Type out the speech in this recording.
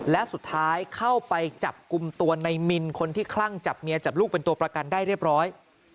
และสุดท้ายเข้าไปจับกลุ่มตัวในมินคนที่คลั่งจับเมียจับลูกเป็นตัวประกันได้เรียบร้อย